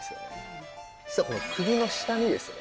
実は首の下にですね